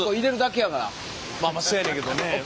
まあまあせやねんけどね。